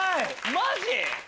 マジ！？